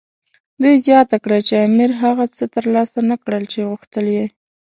دوی زیاته کړه چې امیر هغه څه ترلاسه نه کړل چې غوښتل یې.